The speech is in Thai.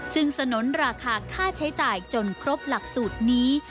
ซึ่งสนุนราคาค่าใช้จ่ายจนครบหลักสูตรนี้